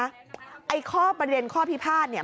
ไอ้ข้อประเด็นข้อพิพาทเนี่ย